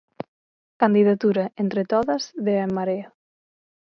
Candidatura Entre Todas de En Marea.